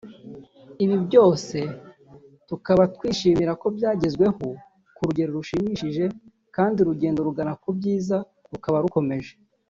Ibi byose tukaba twishimira ko byagezweho ku rugero rushimishije kandi urugendo rugana ku byiza rukaba rukomeje